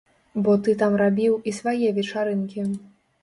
Бо ты там рабіў і свае вечарынкі.